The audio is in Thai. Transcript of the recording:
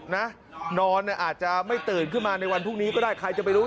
นะนอนเนี่ยอาจจะไม่ตื่นขึ้นมาในวันพรุ่งนี้ก็ได้ใครจะไปรู้